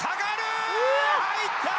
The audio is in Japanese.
入った！